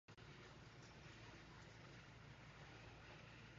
It becomes clear that someone or something has deliberately concealed Earth's location.